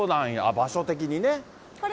場所的にね。